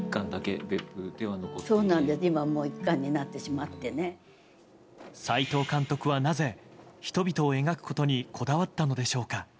そうですね、今は斎藤監督はなぜ人々を描くことにこだわったのでしょうか。